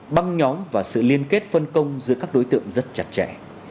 băng nhóm và sự liên kết phân công giữa các đối tượng rất chặt chẽ